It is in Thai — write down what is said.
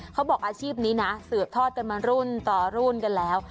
อาชีพนี้นะสืบทอดกันมารุ่นต่อรุ่นกันแล้ว